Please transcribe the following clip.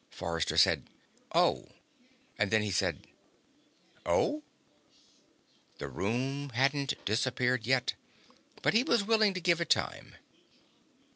Forrester said: "Oh." And then he said: "Oh?" The room hadn't disappeared yet, but he was willing to give it time.